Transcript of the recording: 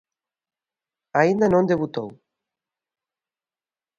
Aínda non debutou.